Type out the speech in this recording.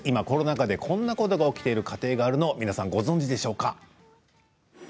コロナ禍でこんなことが起きている家庭があるのご存じですか。